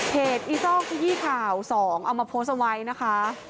เพจอีซ่อกยี่ข่าว๒เอามาโพสไว้นะคะ